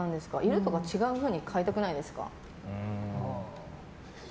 色とか違うふうに買いたくないですか？